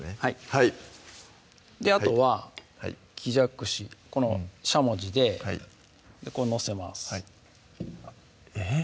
はいあとは木じゃくしこのしゃもじでこう載せますはいえっ？